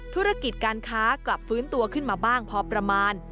ธุรกิจการค้ากลับฟื้นตัวขึ้นมาบ้างพอประมาณ